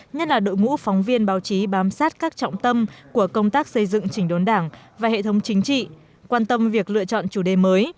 nhất là đội ngũ phóng viên báo chí bám sát các trọng tâm của công tác xây dựng chỉnh đốn đảng và hệ thống chính trị quan tâm việc lựa chọn chủ đề mới